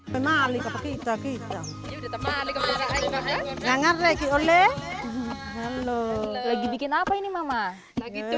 kepada mereka mereka juga berpikir bahwa mereka akan menjadi perempuan yang akan menjadi perempuan